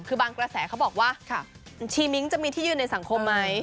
คือบางกระแสเขาบอกว่าชีมิ้งจะมีที่ยืนในสังคมไหม